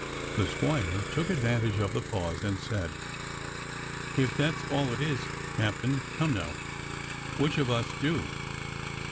The squire took advantage of the pause and said: "If that's all it is, Captain, come now — which of us do.?"